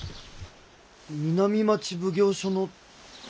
南町奉行所の同心？